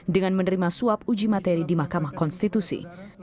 dengan menerima suap uji materi di mahkamah konstitusi